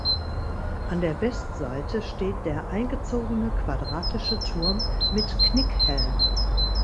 An der Westseite steht der eingezogene quadratische Turm mit Knickhelm.